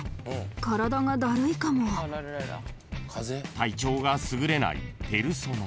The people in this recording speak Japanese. ［体調が優れないペルソナ］